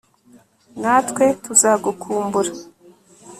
natwe tuzagukumbura